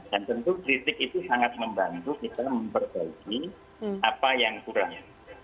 dan tentu kritik itu sangat membantu kita memperbaiki apa yang kurang